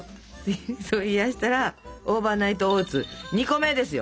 冷やしたらオーバーナイトオーツ２個目ですよ